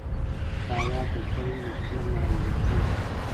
که هوا ککړه وي نو خلک ناروغه کېږي.